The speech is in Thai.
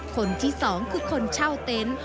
คนที่๒คือคนเช่าเต็นต์